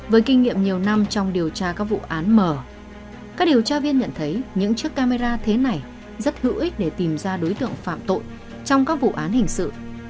với kinh nghiệm nhiều năm trong điều tra các vụ án mở các điều tra viên nhận thấy những chiếc camera thế này rất hữu ích để tìm ra đối tượng phạm tội trong các vụ án hình sự